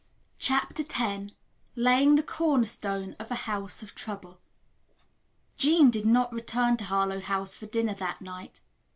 CHAPTER X LAYING THE CORNERSTONE OF A HOUSE OF TROUBLE Jean did not return to Harlowe House for dinner that night.